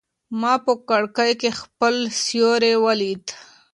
ما په کړکۍ کې خپل سیوری ولید.